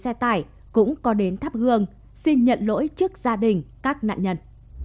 các nhà hảo tâm cũng cho đến tháp gương xin nhận lỗi trước gia đình các nạn nhân